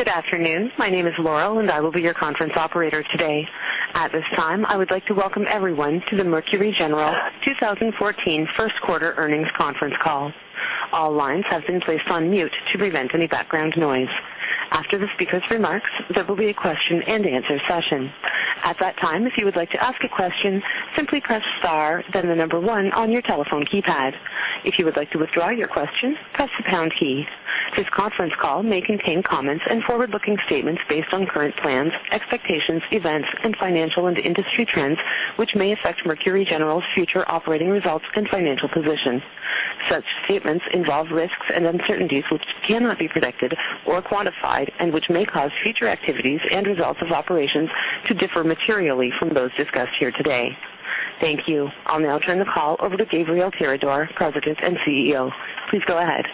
Good afternoon. My name is Laurel, and I will be your conference operator today. At this time, I would like to welcome everyone to the Mercury General 2014 first quarter earnings conference call. All lines have been placed on mute to prevent any background noise. After the speaker's remarks, there will be a question-and-answer session. At that time, if you would like to ask a question, simply press star then the number one on your telephone keypad. If you would like to withdraw your question, press the pound key. This conference call may contain comments and forward-looking statements based on current plans, expectations, events and financial and industry trends, which may affect Mercury General's future operating results and financial position. Such statements involve risks and uncertainties which cannot be predicted or quantified, and which may cause future activities and results of operations to differ materially from those discussed here today. Thank you. I'll now turn the call over to Gabriel Tirador, President and CEO. Please go ahead.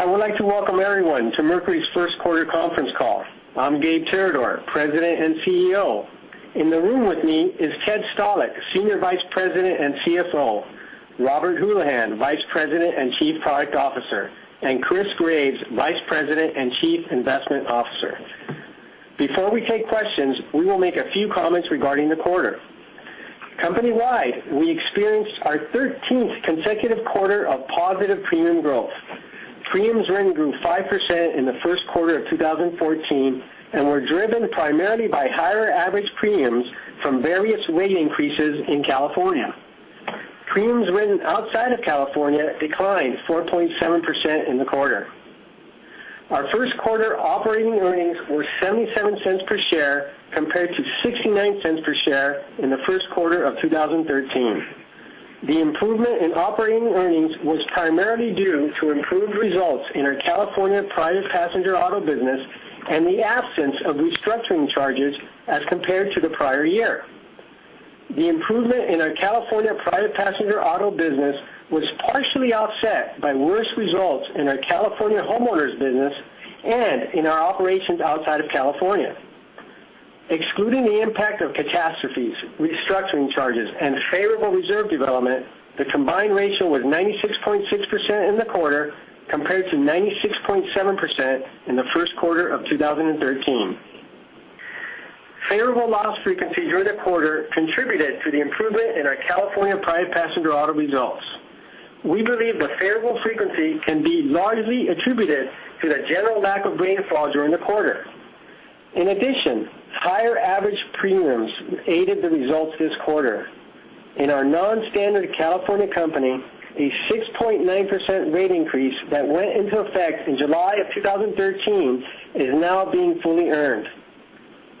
I would like to welcome everyone to Mercury's first quarter conference call. I'm Gabe Tirador, President and CEO. In the room with me is Ted Stalick, Senior Vice President and CFO, Robert Houlihan, Vice President and Chief Product Officer, and Christopher Graves, Vice President and Chief Investment Officer. Before we take questions, we will make a few comments regarding the quarter. Company-wide, we experienced our 13th consecutive quarter of positive premium growth. Premiums written grew 5% in the first quarter of 2014 and were driven primarily by higher average premiums from various rate increases in California. Premiums written outside of California declined 4.7% in the quarter. Our first quarter operating earnings were $0.77 per share compared to $0.69 per share in the first quarter of 2013. The improvement in operating earnings was primarily due to improved results in our California private passenger auto business and the absence of restructuring charges as compared to the prior year. The improvement in our California private passenger auto business was partially offset by worse results in our California homeowners business and in our operations outside of California. Excluding the impact of catastrophes, restructuring charges and favorable reserve development, the combined ratio was 96.6% in the quarter, compared to 96.7% in the first quarter of 2013. Favorable loss frequency during the quarter contributed to the improvement in our California private passenger auto results. Higher average premiums aided the results this quarter. In our non-standard California company, a 6.9% rate increase that went into effect in July of 2013 is now being fully earned.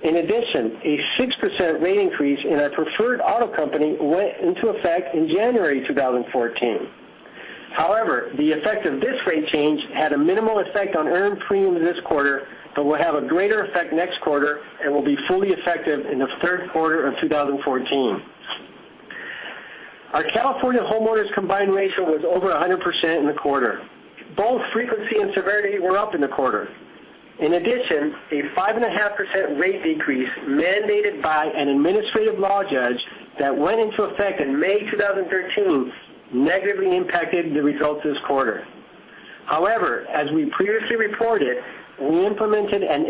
In addition, a 6% rate increase in our preferred auto company went into effect in January 2014. However, the effect of this rate change had a minimal effect on earned premiums this quarter but will have a greater effect next quarter and will be fully effective in the third quarter of 2014. Our California homeowners combined ratio was over 100% in the quarter. Both frequency and severity were up in the quarter. In addition, a 5.5% rate decrease mandated by an administrative law judge that went into effect in May 2013 negatively impacted the results this quarter. However, as we previously reported, we implemented an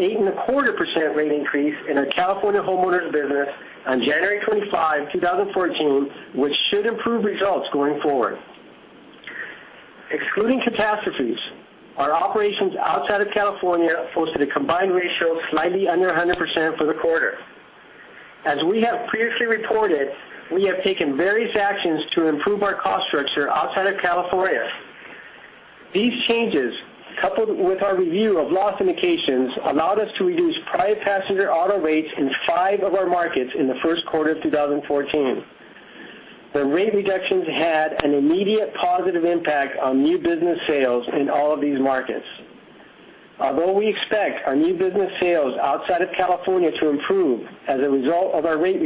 8.25% rate increase in our California homeowners business on January 25, 2014, which should improve results going forward. Excluding catastrophes, our operations outside of California posted a combined ratio slightly under 100% for the quarter. As we have previously reported, we have taken various actions to improve our cost structure outside of California. These changes, coupled with our review of loss indications, allowed us to reduce private passenger auto rates in five of our markets in the first quarter of 2014. The rate reductions had an immediate positive impact on new business sales in all of these markets. Although we expect our new business sales outside of California to improve as a result of our rate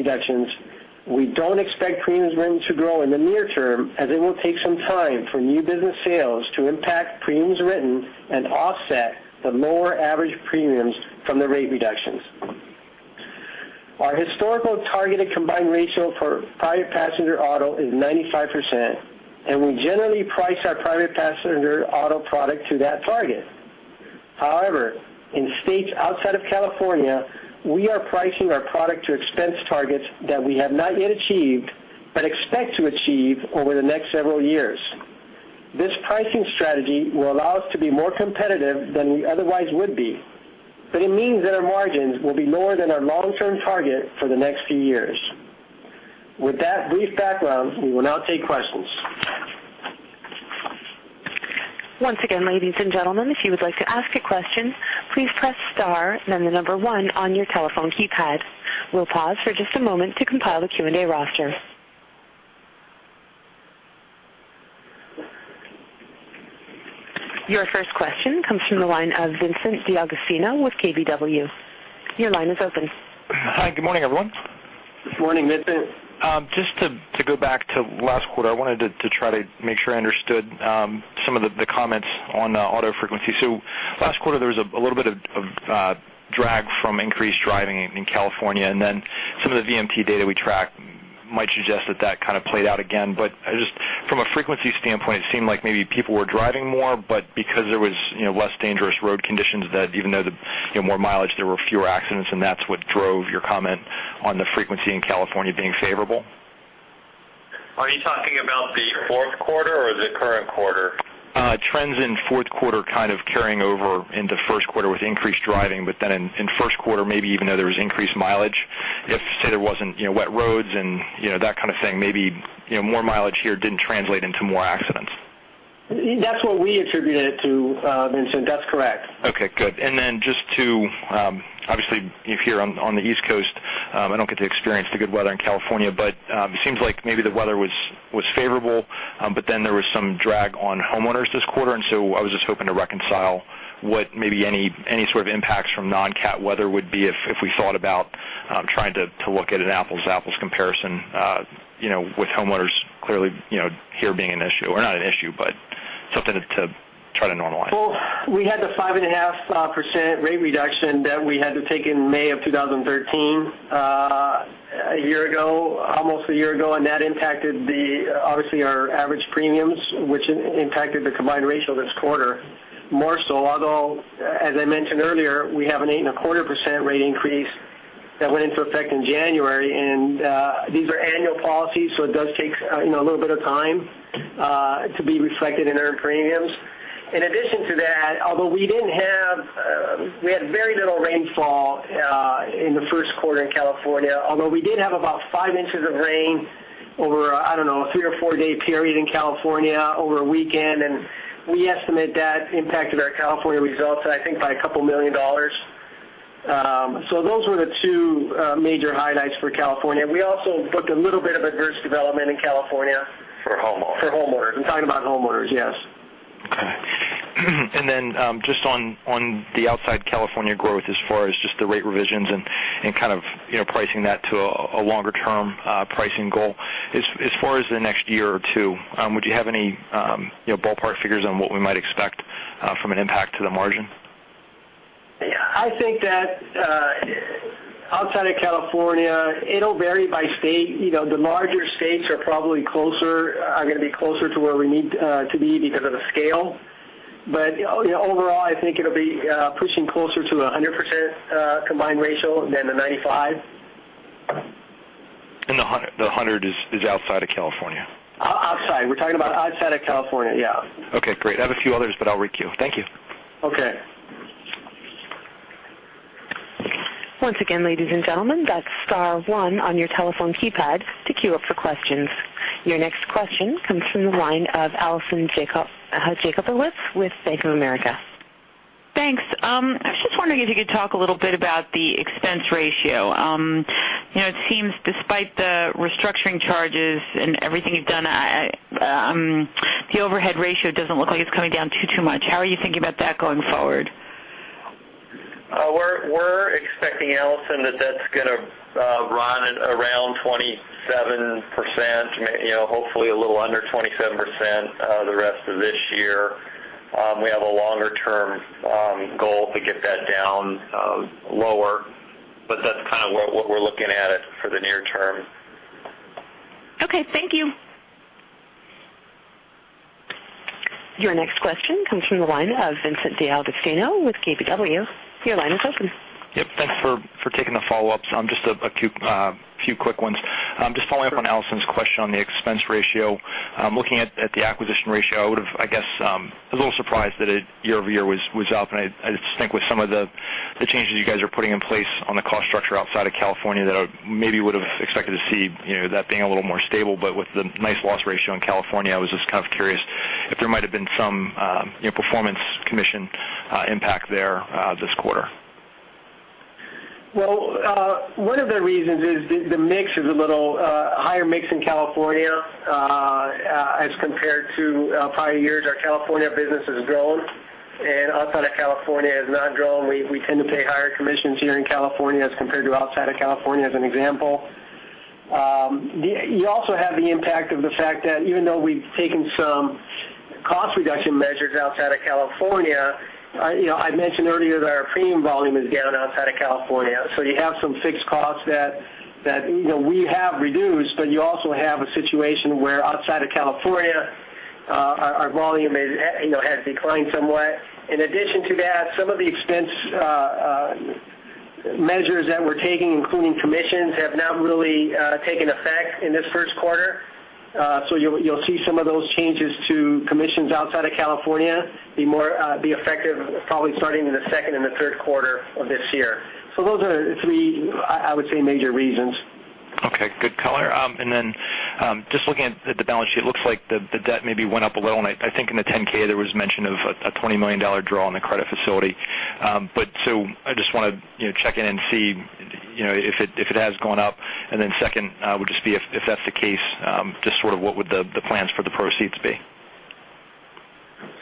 reductions, we don't expect premiums written to grow in the near term as it will take some time for new business sales to impact premiums written and offset the lower average premiums from the rate reductions. Our historical targeted combined ratio for private passenger auto is 95%, and we generally price our private passenger auto product to that target. However, in states outside of California, we are pricing our product to expense targets that we have not yet achieved but expect to achieve over the next several years. This pricing strategy will allow us to be more competitive than we otherwise would be, but it means that our margins will be lower than our long-term target for the next few years. With that brief background, we will now take questions. Once again, ladies and gentlemen, if you would like to ask a question, please press star then the number one on your telephone keypad. We'll pause for just a moment to compile the Q&A roster. Your first question comes from the line of Vincent D'Agostino with KBW. Your line is open. Hi. Good morning, everyone. Good morning, Vincent. Just to go back to last quarter, I wanted to try to make sure I understood some of the comments on auto frequency. Last quarter, there was a little bit of drag from increased driving in California, and then some of the VMT data we track might suggest that that kind of played out again. Just from a frequency standpoint, it seemed like maybe people were driving more, but because there was less dangerous road conditions, that even though more mileage, there were fewer accidents, and that's what drove your comment on the frequency in California being favorable. Are you talking about the fourth quarter or the current quarter? Trends in fourth quarter kind of carrying over into first quarter with increased driving. In first quarter, maybe even though there was increased mileage, if, say, there wasn't wet roads and that kind of thing, maybe more mileage here didn't translate into more accidents. That's what we attributed it to, Vincent. That's correct. Okay, good. Just to, obviously, you're here on the East Coast, I don't get to experience the good weather in California. It seems like maybe the weather was favorable. There was some drag on homeowners this quarter. I was just hoping to reconcile what maybe any sort of impacts from non-cat weather would be if we thought about trying to look at an apples comparison with homeowners clearly here being an issue, or not an issue, but something to try to normalize. Well, we had the 5.5% rate reduction that we had to take in May of 2013, a year ago, almost a year ago. That impacted, obviously, our average premiums, which impacted the combined ratio this quarter more so. Although, as I mentioned earlier, we have an 8.25% rate increase that went into effect in January. These are annual policies, so it does take a little bit of time to be reflected in earned premiums. In addition to that, although we had very little rainfall in the first quarter in California, although we did have about five inches of rain over, I don't know, a three or four-day period in California over a weekend. We estimate that impacted our California results, I think, by a couple million dollars. Those were the two major highlights for California. We also booked a little bit of adverse development in California. For homeowners. For homeowners. I'm talking about homeowners, yes. Okay. Just on the outside California growth as far as just the rate revisions and kind of pricing that to a longer-term pricing goal. As far as the next year or two, would you have any ballpark figures on what we might expect from an impact to the margin? I think that outside of California, it'll vary by state. The larger states are probably going to be closer to where we need to be because of the scale. Overall, I think it'll be pushing closer to 100% combined ratio than the 95. The 100 is outside of California. Outside. We're talking about outside of California, yeah. Okay, great. I have a few others, but I'll requeue. Thank you. Okay. Once again, ladies and gentlemen, that's star one on your telephone keypad to queue up for questions. Your next question comes from the line of Alison Jacobowitz with Bank of America. Thanks. I was just wondering if you could talk a little bit about the expense ratio. It seems despite the restructuring charges and everything you've done, the overhead ratio doesn't look like it's coming down too much. How are you thinking about that going forward? We're expecting, Alison, that that's going to run at around 27%, hopefully a little under 27% the rest of this year. We have a longer-term goal to get that down lower, but that's kind of what we're looking at it for the near term. Okay. Thank you. Your next question comes from the line of Vincent D'Agostino with KBW. Your line is open. Yep. Thanks for taking the follow-ups. Just a few quick ones. Following up on Alison's question on the expense ratio. Looking at the acquisition ratio, I was a little surprised that it year-over-year was up, I just think with some of the changes you guys are putting in place on the cost structure outside of California that I maybe would have expected to see that being a little more stable. With the nice loss ratio in California, I was just kind of curious if there might have been some performance commission impact there this quarter. Well, one of the reasons is the mix is a little higher mix in California as compared to prior years. Our California business has grown, outside of California has not grown. We tend to pay higher commissions here in California as compared to outside of California, as an example. You also have the impact of the fact that even though we've taken some cost reduction measures outside of California, I mentioned earlier that our premium volume is down outside of California. You have some fixed costs that we have reduced, you also have a situation where outside of California, our volume has declined somewhat. In addition to that, some of the expense measures that we're taking, including commissions, have not really taken effect in this first quarter. You'll see some of those changes to commissions outside of California be effective probably starting in the second and the third quarter of this year. Those are three, I would say, major reasons. Okay. Good color. Just looking at the balance sheet, looks like the debt maybe went up a little. I think in the 10-K, there was mention of a $20 million draw on the credit facility. I just want to check in and see if it has gone up. Second, would just be if that's the case, just sort of what would the plans for the proceeds be?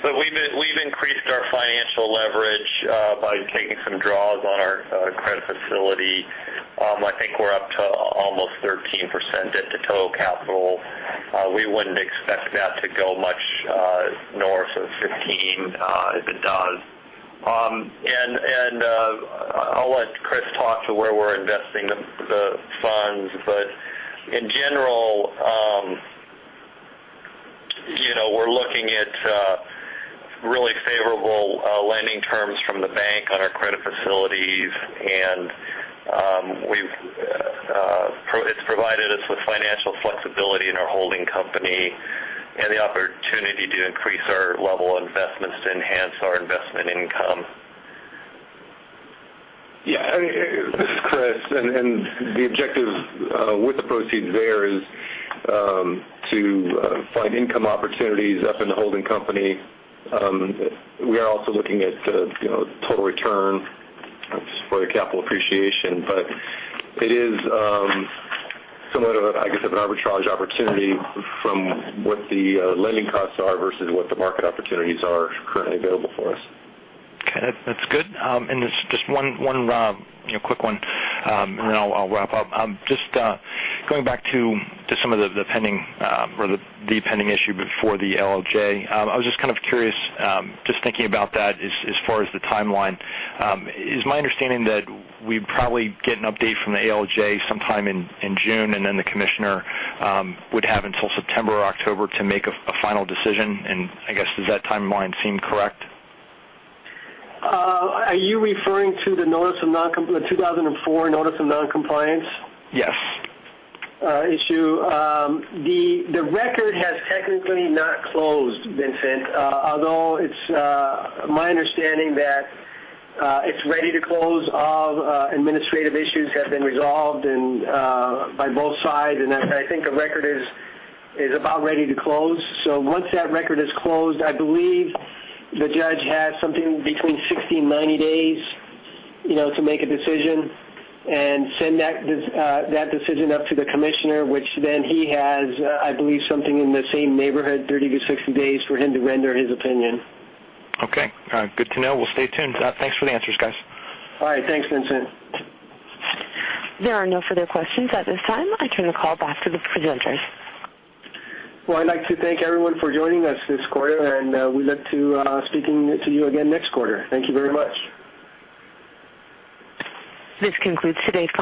We've increased our financial leverage by taking some draws on our credit facility. I think we're up to almost 13% debt to total capital. We wouldn't expect that to go much north of 15%, if it does. I'll let Chris talk to where we're investing the funds. In general, we're looking at really favorable lending terms from the bank on our credit facilities, and it's provided us with financial flexibility in our holding company and the opportunity to increase our level of investments to enhance our investment income. Yeah. This is Chris. The objective with the proceeds there is to find income opportunities up in the holding company. We are also looking at total return for the capital appreciation. It is somewhat of, I guess, an arbitrage opportunity from what the lending costs are versus what the market opportunities are currently available for us. Okay. That's good. Just one quick one, and then I'll wrap up. Just going back to some of the pending issue before the ALJ. I was just kind of curious, just thinking about that as far as the timeline. It is my understanding that we'd probably get an update from the ALJ sometime in June, then the commissioner would have until September or October to make a final decision. I guess, does that timeline seem correct? Are you referring to the 2004 Notice of Non-Compliance- Yes issue? The record has technically not closed, Vincent, although it's my understanding that it's ready to close. All administrative issues have been resolved by both sides, and I think the record is about ready to close. Once that record is closed, I believe the judge has something between 60 and 90 days to make a decision and send that decision up to the commissioner, which then he has, I believe, something in the same neighborhood, 30 to 60 days, for him to render his opinion. Okay. Good to know. We'll stay tuned. Thanks for the answers, guys. All right. Thanks, Vincent. There are no further questions at this time. I turn the call back to the presenters. I'd like to thank everyone for joining us this quarter, we look to speaking to you again next quarter. Thank you very much. This concludes today's call.